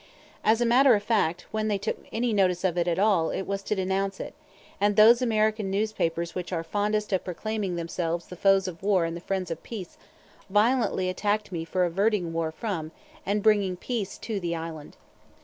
As a matter of fact, when they took any notice of it at all it was to denounce it; and those American newspapers which are fondest of proclaiming themselves the foes of war and the friends of peace violently attacked me for averting war from, and bringing peace to, the island.